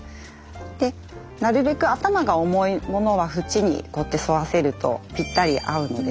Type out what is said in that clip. でなるべく頭が重いモノは縁にこうやって沿わせるとぴったり合うので。